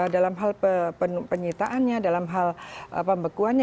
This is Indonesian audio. dalam hal penyitaannya dalam hal pembekuannya